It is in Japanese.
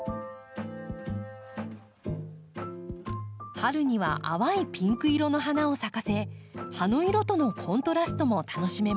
春には淡いピンク色の花を咲かせ葉の色とのコントラストも楽しめます。